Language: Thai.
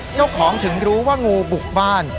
เจ้าของถึงรู้ว่างูบุกบ้าน